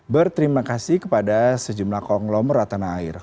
berterima kasih kepada sejumlah konglomerat tanah air